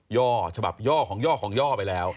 ่อฉบับย่อของย่อของย่อไปแล้ว